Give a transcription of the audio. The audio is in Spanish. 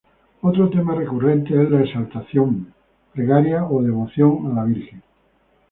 Otro tema recurrente es la exaltación, plegaria o devoción a la Virgen del Pilar.